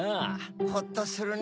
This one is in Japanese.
ホッとするね。